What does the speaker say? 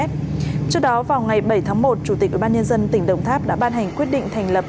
trước đó vào ngày bảy tháng một chủ tịch ubnd tỉnh đồng tháp đã ban hành quyết định thành lập